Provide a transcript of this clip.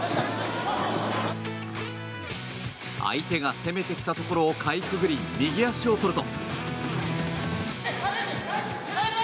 相手が攻めてきたところをかいくぐり、右足を取ると。